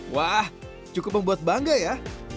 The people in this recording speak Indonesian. wah cukup membuat bangga ya